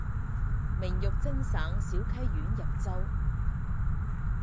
明玉珍省小溪县入州。